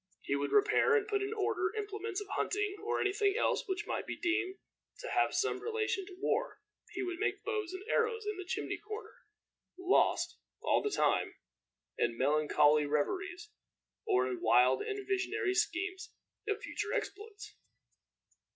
He would repair and put in order implements of hunting, or any thing else which might be deemed to have some relation to war. He would make bows and arrows in the chimney corner lost, all the time, in melancholy reveries, or in wild and visionary schemes of future exploits.